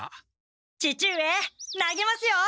父上投げますよ！